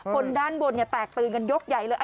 บนด้านบนเนี่ยแตกปืนกันยกใหญ่เลย